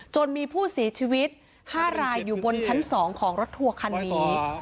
จนมีผู้สีชีวิตห้ารายอยู่บนชั้นสองของรถทัวร์คันนี้